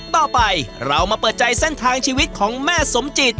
ต่อไปเราพอใจที่แสนทางชีวิตของแม่สมจิต